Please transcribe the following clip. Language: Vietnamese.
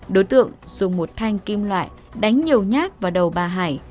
đối tượng dùng một thanh kim loại đánh nhiều nhát vào đầu bà hải